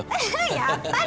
やっぱり！